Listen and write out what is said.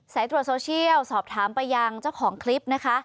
ตรวจโซเชียลสอบถามไปยังเจ้าของคลิปนะคะ